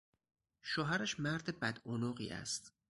شوهرش مرد بدعنقی است.